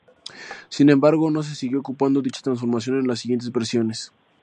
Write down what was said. Sin embargo, no se siguió ocupando dicha transmisión en las siguientes versiones.